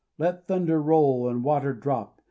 Let thunder roll and water drop.